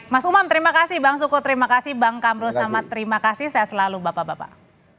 mas umam terima kasih bang suko terima kasih bang kamrul samad terima kasih saya selalu bapak bapak